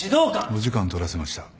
お時間取らせました。